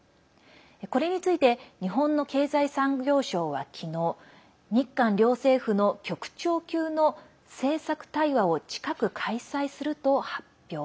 これについて日本の経済産業省は昨日日韓両政府の局長級の政策対話を近く開催すると発表。